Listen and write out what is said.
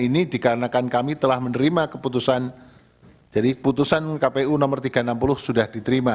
ini dikarenakan kami telah menerima keputusan jadi keputusan kpu nomor tiga ratus enam puluh sudah diterima